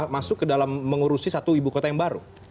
masuk ke dalam mengurusi satu ibu kota yang baru